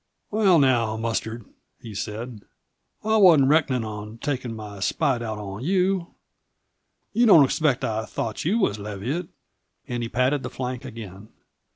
"Well, now, Mustard," he said, "I wasn't reckonin' on takin' my spite out on you. You don't expect I thought you was Leviatt." And he patted the flank again.